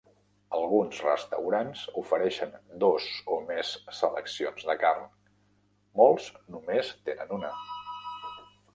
Alguns restaurants ofereixen dos o més seleccions de carn; molts només tenen una.